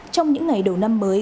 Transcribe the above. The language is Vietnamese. trong những ngày đầu năm mới